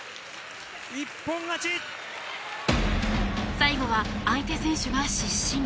最後は相手選手が失神。